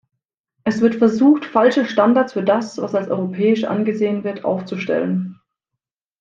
Es wird versucht, falsche Standards für das, was als europäisch angesehen wird, aufzustellen.